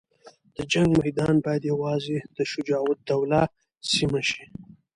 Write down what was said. د جنګ میدان باید یوازې د شجاع الدوله سیمه شي.